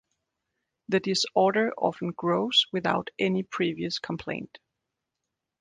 This disorder often grows without any previous complaint.